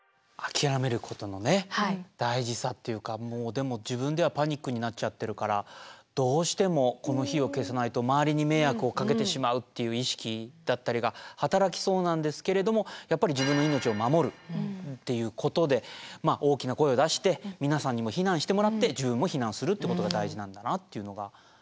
もうでも自分ではパニックになっちゃってるからどうしてもこの火を消さないと周りに迷惑をかけてしまうっていう意識だったりが働きそうなんですけれどもやっぱり自分の命を守るっていうことで大きな声を出して皆さんにも避難してもらって自分も避難するっていうことが大事なんだなっていうのがこのＶＴＲ見てね思いました。